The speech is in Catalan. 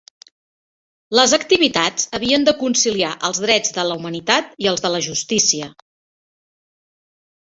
Les activitats havien de conciliar els drets de la humanitat i els de la justícia.